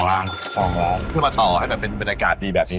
นำมาศาลให้มันเป็นอากาศดีแบบนี้